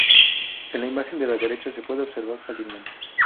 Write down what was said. En la imagen de la derecha se pueden observar fácilmente.